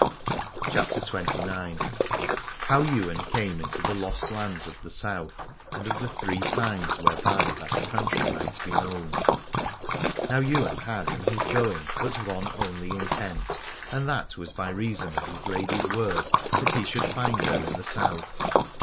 176 CHAPTER XXIX. HOW YWAIN CAME INTO THE LOST LANDS OF THE SOUTH, AND OF THREE SIGNS WHEREBY THAT COUNTRY MIGHT BE KNOWN. Now Ywain had in his going but one only intent, and that was by reason of his lady's word that he should find her in the South.